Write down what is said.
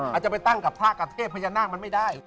อาจจะไปตั้งกับพระกับเทพพญานาคมันไม่ได้